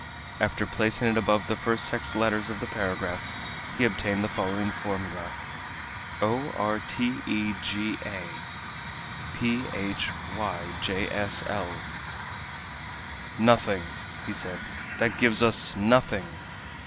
After placing it above the first six letters of the paragraph he obtained the following formula: O r t e g a P h y j s l "Nothing!" he said. "That gives us nothing!"